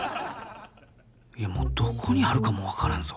いやもうどこにあるかも分からんぞ。